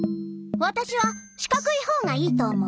わたしはしかくいほうがいいと思う。